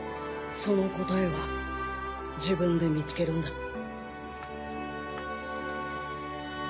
その答えは自分で見つけるんだ。